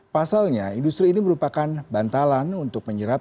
pasalnya industri ini merupakan bantalan untuk menyerap